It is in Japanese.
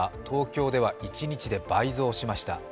東京では一日で倍増しました。